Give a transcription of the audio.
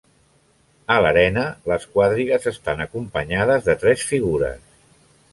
A l'arena, les quadrigues estan acompanyades de tres figures.